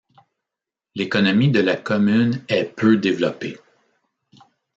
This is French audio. L'économie de la commune est peu développée.